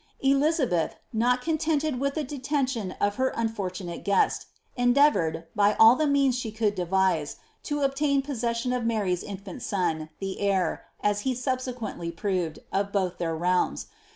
Elizabeth, not contented with the detention of Iter unfortunate guest, Huicavoured, by all the means she could devise, to obtain possession of Mary's infant son, the heir, as he subsequently proved, of both their realms.